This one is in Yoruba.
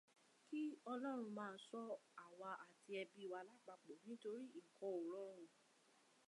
Kí Ọlọ́run máa ṣọ́ àwa àti ẹbí wa lápapọ̀ nítorí nǹkan ò rọrùn.